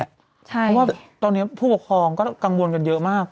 เพราะว่าตอนนี้ผู้ปกครองก็กังวลกันเยอะมาก